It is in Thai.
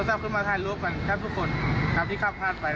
๒๐ตัวทรัพย์ขึ้นมาถ่ายรูปกันแทบทุกคนครับที่เขาพลาดไป